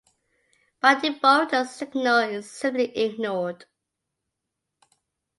By default the signal is simply ignored.